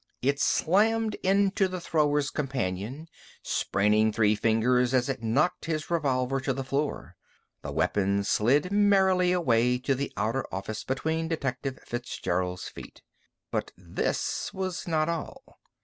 It slammed into the thrower's companion, spraining three fingers as it knocked his revolver to the floor. The weapon slid merrily away to the outer office between Detective Fitzgerald's feet. But this was not all.